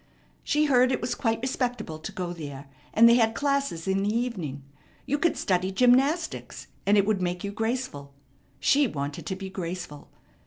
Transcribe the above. She heard it was quite respectable to go there, and they had classes in the evening. You could study gymnastics, and it would make you graceful. She wanted to be graceful.